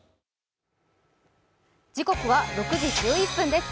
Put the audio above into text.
時刻は６時１１分です。